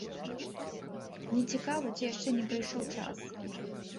Нецікава ці яшчэ не прыйшоў час?